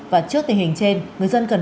và trước tình hình trên người dân cần